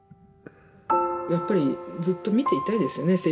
やっぱりずっと見ていたいですよね